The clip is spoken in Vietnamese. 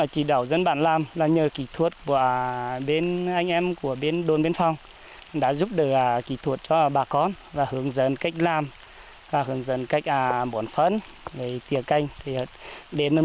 chăn nuôi vịt trời chăn nuôi vịt trời chăn nuôi vịt trời